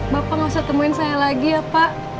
bapak nggak usah temuin saya lagi ya pak